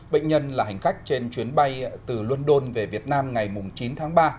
bệnh nhân là hành khách trên chuyến bay từ london về việt nam ngày chín tháng ba